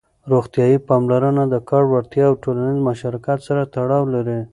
روغتيايي پاملرنه د کار وړتيا او ټولنيز مشارکت سره تړاو لري.